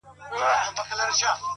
نور به وه ميني ته شعرونه ليكلو ـ